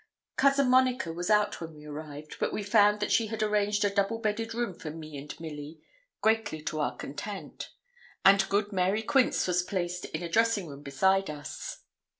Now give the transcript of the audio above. Cousin Monica was out when we arrived; but we found that she had arranged a double bedded room for me and Milly, greatly to our content; and good Mary Quince was placed in the dressing room beside us.